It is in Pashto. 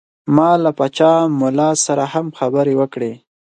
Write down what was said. ما له پاچا ملا سره هم خبرې وکړې.